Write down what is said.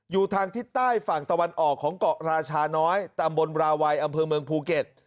อยู่ทางทิศใต้ฝั่งตะวันออกของเกาะราชาน้อยตำบลราวัยอำเภอเมืองภูเก็ต